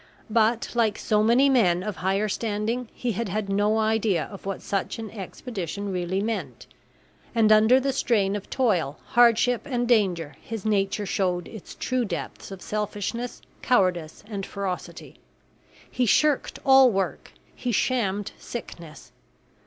But, like so many men of higher standing, he had had no idea of what such an expedition really meant, and under the strain of toil, hardship, and danger his nature showed its true depths of selfishness, cowardice, and ferocity. He shirked all work. He shammed sickness.